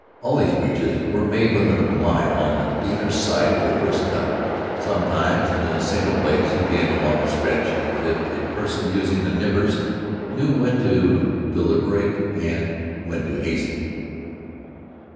All these breaches were made within a mile on either side of the first cut, sometimes in a single place, again along a stretch, as if the person using the nippers knew when to deliberate and when to hasten.